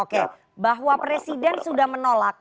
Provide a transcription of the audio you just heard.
oke bahwa presiden sudah menolak